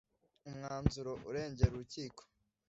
Umwanzuro uregera urukiko